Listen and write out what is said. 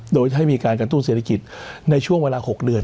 โดยให้มีการกระตุ้นเศรษฐกิจในช่วงเวลา๖เดือน